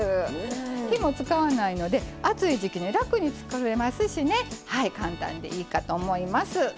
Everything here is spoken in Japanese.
火も使わないので暑い時期に楽に作れますしね簡単でいいかと思います。